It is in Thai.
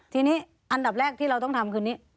ทีนี้อันดับแรกที่เราต้องทำคือนี้